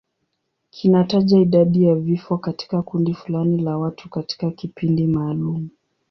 Kinataja idadi ya vifo katika kundi fulani la watu katika kipindi maalum.